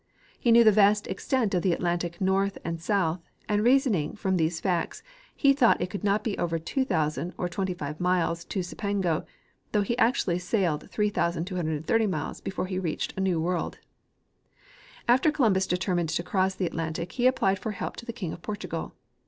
He knew the vast extent of the Atlantic north and south, and reasoning from these facts he thought it could not be over 2,000 or 2,500 miles to Cipango, though he actually sailed 3,230 miles before he reached a new world. After Columbus determined to cross the Atlantic he applied for help to the king of Portugal.